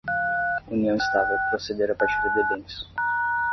união estável, proceder à partilha de bens